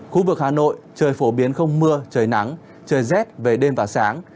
khu vực hà nội trời phổ biến không mưa trời nắng trời rét về đêm và sáng